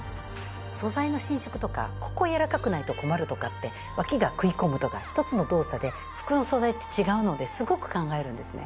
素材の伸縮とかここ柔らかくないと困るとかって脇が食い込むとか一つの動作で服の素材って違うのですごく考えるんですね。